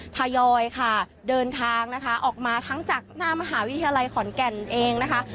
ทยอยค่ะเดินทางนะคะออกมาทั้งจากหน้ามหาวิทยาลัยขอนแก่นเองนะคะ